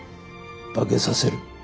化けさせる。